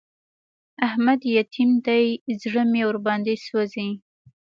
احمد يتيم دی؛ زړه مې ور باندې سوځي.